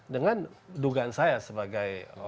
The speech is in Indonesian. dengan dugaan saya sebagai